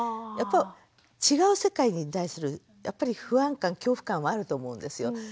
やっぱり違う世界に対するやっぱり不安感恐怖感はあると思うんですよ。